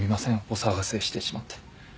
お騒がせしてしまって。